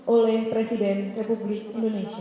oleh presiden republik indonesia